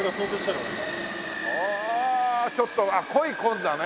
ああちょっと濃い紺だね。